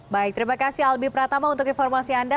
baik terima kasih albi pratama untuk informasi anda